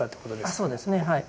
ああそうですねはい。